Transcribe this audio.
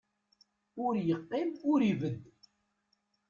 Ur yeqqim, ur ibedd.